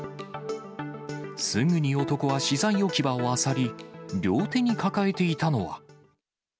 すぐに男は資材置き場をあさり、両手に抱えていたのは。